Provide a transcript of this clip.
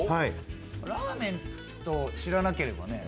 ラーメンと知らなければね。